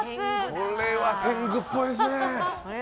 これは天狗っぽいですね。